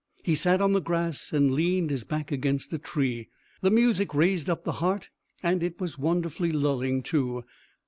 He sat on the grass and leaned his back against a tree. The music raised up the heart and it was wonderfully lulling, too.